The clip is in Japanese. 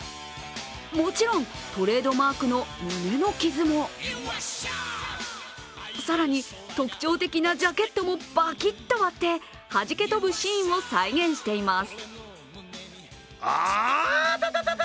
もちろん、トレードマークの胸の傷も更に、特徴的なジャケットもバキッと割って、はじけ飛ぶシーンを再現しています。